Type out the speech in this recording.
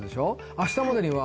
「明日までには」